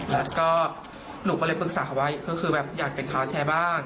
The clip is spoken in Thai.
แล้วก็หนูก็เลยปรึกษาว่าก็คือแบบอยากเป็นเท้าแชร์บ้าง